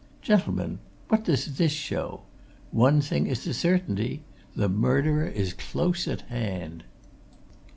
Gentlemen! what does this show? One thing as a certainty the murderer is close at hand!"